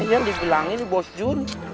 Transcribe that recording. yang dibilang ini bos jun